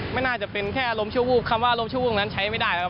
ไม่น่าจะเป็นแค่อารมณ์ชั่ววูบคำว่าอารมณชั่ววูบนั้นใช้ไม่ได้แล้วครับ